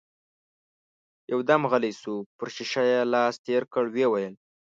يودم غلی شو، پر شيشه يې لاس تېر کړ، ويې ويل: